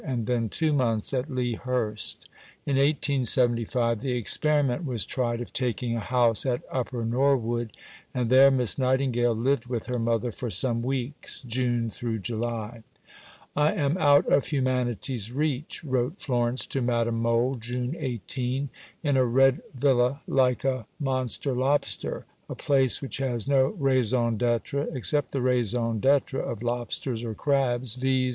and then two months at Lea Hurst. In 1875 the experiment was tried of taking a house at Upper Norwood, and there Miss Nightingale lived with her mother for some weeks (June July). "I am out of humanity's reach," wrote Florence to Madame Mohl (June 18): "in a red villa like a monster lobster: a place which has no raison d'être except the raison d'être of lobsters or crabs viz.